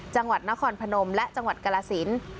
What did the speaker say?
จังหวัดนครพนมและจังหวัดกรสิน